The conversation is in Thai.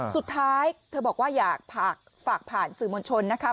สุดท้ายเธอบอกว่าอยากฝากผ่านสื่อมนต์ชนนะคะ